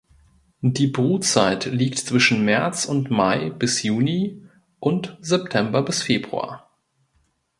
Die Brutzeit liegt zwischen März und Mai (bis Juni) und September bis Februar.